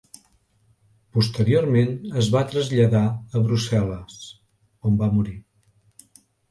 Posteriorment es va traslladar a Brussel·les, on va morir.